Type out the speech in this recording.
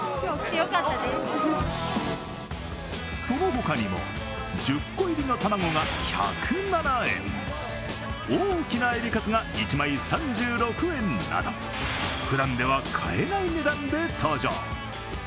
そのほかにも１０個入りの卵が１０７円、大きなエビカツが１枚３６円などふだんでは買えない値段で登場。